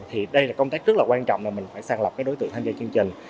thì đây là công tác rất là quan trọng là mình phải sàng lọc cái đối tượng tham gia chương trình